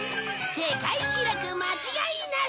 世界記録間違いなし！